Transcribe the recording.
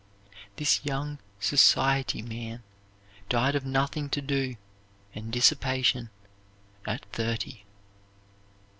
This young society man died of nothing to do and dissipation, at thirty.